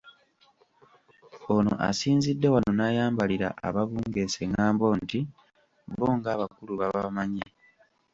Ono asinzidde wano n’ayambalira ababungeesa engambo nti bo ng’abakulu babamanyi